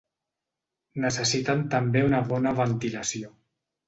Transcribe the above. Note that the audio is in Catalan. Necessiten també una bona ventilació.